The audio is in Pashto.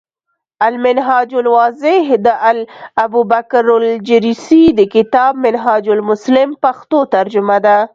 المنهاج الواضح، د الابوبکرالجريسي د کتاب “منهاج المسلم ” پښتو ترجمه ده ۔